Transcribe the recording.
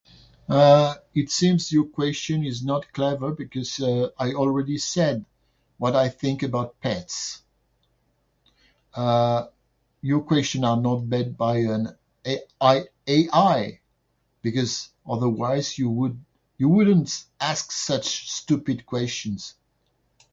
Uh, it seems your question is not clever because, uh, I already said what I think about pets. Uh, your question are not vet by an a- i- AI because otherwise, you would- you wouldn't ask such stupid questions.